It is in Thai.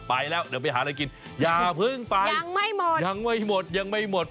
ไปแล้วเดี๋ยวไปหาอะไรกินอย่าเพิ่งไปยังไม่หมด